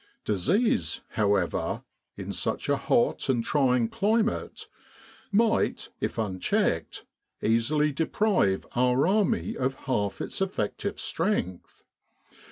Disease, however, in such a hot and trying climate, might, if unchecked, easily deprive our army of half its effective strength.